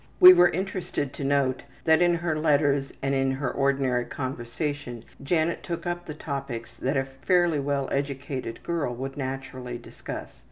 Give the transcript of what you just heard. We were interested to note that in her letters and in her ordinary conversation Janet took up the topics that a fairly well educated girl would naturally discuss.